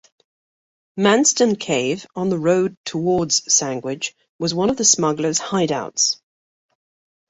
Manston Cave, on the road towards Sandwich, was one of the smugglers' hideouts.